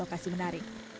masalah yang menarik